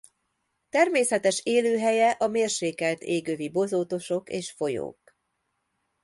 Természetes élőhelye a mérsékelt égövi bozótosok és folyók.